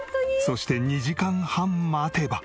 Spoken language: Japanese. そして２時間半待てば。